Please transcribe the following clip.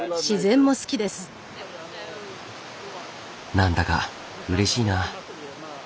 何だかうれしいな。